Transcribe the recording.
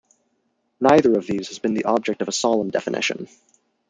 Neither of these has been the object of a solemn definition.